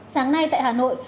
sáng nay tại hà nội